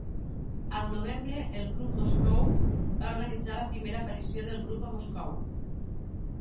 Al novembre, el club "Moscou" va organitzar la primera aparició del grup a Moscou.